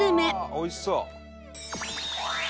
「おいしそう！」